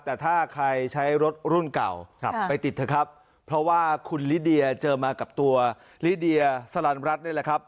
แต่ถ้าใครใช้รถรุ่นเก่าไปติดเถอะครับเพราะว่าคุณลิเดียเจอมากับตัวลิเดียสลันรัฐนี่แหละครับ